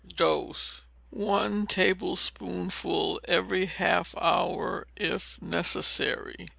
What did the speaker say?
Dose, one tablespoonful every half hour if necessary.